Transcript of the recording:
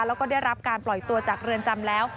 แล้วก็ได้รับการปล่อยตัวจากเรือนจำแล้ว